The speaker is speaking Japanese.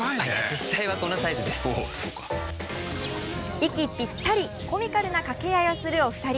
息ピッタリコミカルな掛け合いをするお二人。